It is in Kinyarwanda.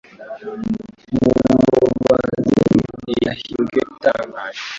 Mu mubazi ni yahimbwe itangaje.